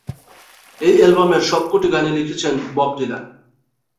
এই অ্যালবামের সবকটি গানই লিখেছেন বব ডিলান।